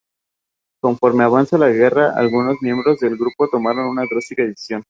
Conforme avanzaba la guerra algunos miembros del grupo tomaron una drástica decisión.